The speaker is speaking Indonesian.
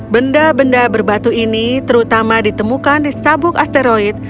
benda benda berbatu ini terutama ditemukan di sabuk asteroid